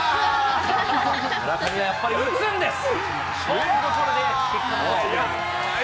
村上はやっぱり打つんですよ。